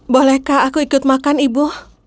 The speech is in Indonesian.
bolehkah aku ikut makan ibu